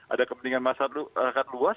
ada kepentingan masyarakat luas